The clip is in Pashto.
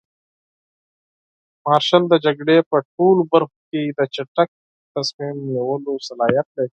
مارشال د جګړې په ټولو برخو کې د چټک تصمیم نیولو صلاحیت لري.